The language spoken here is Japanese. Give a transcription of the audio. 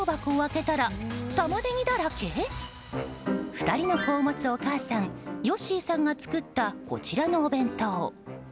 ２人の子を持つお母さんよっしーさんが作ったこちらのお弁当。